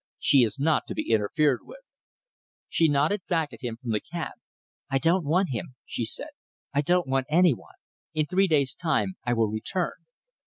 She is not to be interfered with." She nodded back at him from the cab. "I don't want him," she said. "I don't want any one. In three days' time I will return."